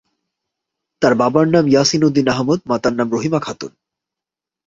তার বাবার নাম ইয়াসিন উদ্দিন আহম্মদ, মাতার নাম রহিমা খাতুন।